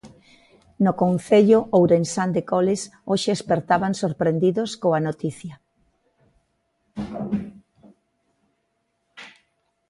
No concello ourensán de Coles hoxe espertaban sorprendidos coa noticia.